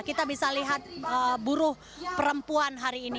kita bisa lihat buruh perempuan hari ini